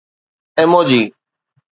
emoji